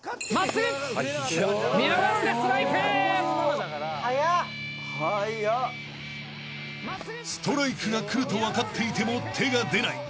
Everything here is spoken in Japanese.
［ストライクが来ると分かっていても手が出ない］